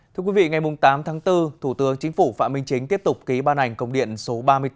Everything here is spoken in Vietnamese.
thưa quý vị ngày tám tháng bốn thủ tướng chính phủ phạm minh chính tiếp tục ký ban hành công điện số ba mươi bốn